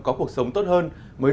có cuộc sống tốt hơn